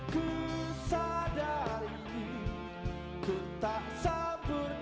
kusadari ku tak sempurna